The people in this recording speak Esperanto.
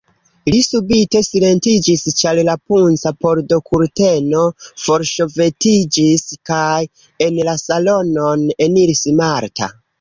Li subite silentiĝis, ĉar la punca pordokurteno forŝovetiĝis kaj en la salonon eniris Marta.